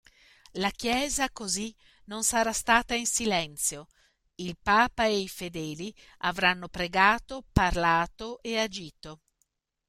La Chiesa così non sarà stata in silenzio: il Papa e i fedeli avranno pregato, parlato e agito.